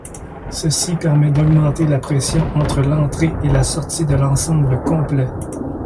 Ceci permet d'augmenter la pression entre l'entrée et la sortie de l'ensemble complet.